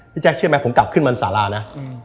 พี่แจ๊กเชื่อมั้ยผมกลับขึ้นบรรษารานะ